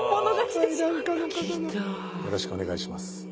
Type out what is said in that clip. よろしくお願いします。